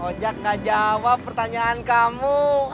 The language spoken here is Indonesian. ojek gak jawab pertanyaan kamu